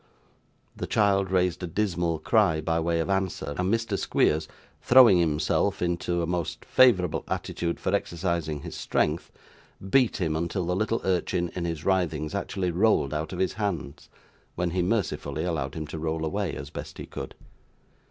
The child raised a dismal cry, by way of answer, and Mr. Squeers, throwing himself into the most favourable attitude for exercising his strength, beat him until the little urchin in his writhings actually rolled out of his hands, when he mercifully allowed him to roll away, as he best could.